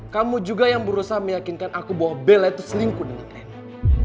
kamu juga yang berusaha meyakinkan aku bahwa bella itu selingkuh dengan nenek